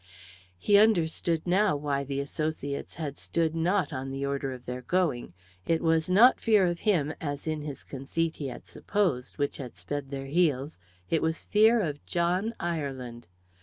He understood now why the associates had stood not on the order of their going; it was not fear of him, as in his conceit he had supposed, which had sped their heels; it was fear of John Ireland.